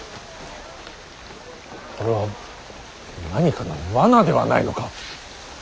これは何かの罠ではないのか。